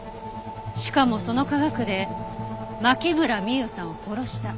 しかもその科学で牧村美優さんを殺した。